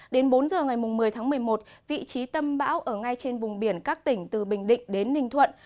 đến bốn h ngày một mươi tháng một mươi một vị trí tâm bão ở ngay trên vùng biển các tỉnh từ bình định đến ninh thuận